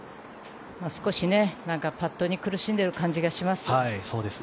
少しパットに苦しんでいる感じがします。